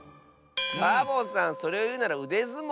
サボさんそれをいうならうでずもうでしょ。